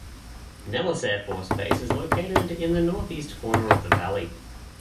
Nellis Air Force Base is located in the northeast corner of the valley.